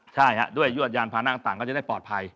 ใช่ด้วยยวดยานพานั่งต่างก็จะได้ปลอดภัย